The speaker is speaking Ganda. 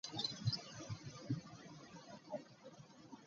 Nze omusajja omukulu nzire mu bino!